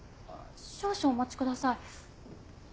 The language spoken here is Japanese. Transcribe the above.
少々お待ちください。